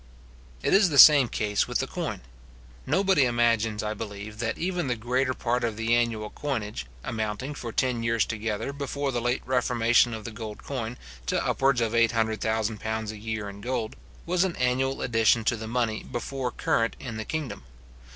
It is the same case with the coin. Nobody imagines, I believe, that even the greater part of the annual coinage, amounting, for ten years together, before the late reformation of the gold coin, to upwards of £800,000 a year in gold, was an annual addition to the money before current in the kingdom.